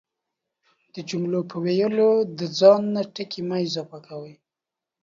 د جملو په ويلو کی دا ځان نه ټکي مه اضافه کوئ،